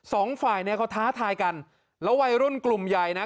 สองฝ่ายเนี่ยเขาท้าทายกันแล้ววัยรุ่นกลุ่มใหญ่นะ